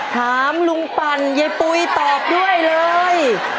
ถามลุงปั่นยายปุ๋ยตอบด้วยเลย